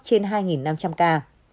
trên hai năm trăm linh ca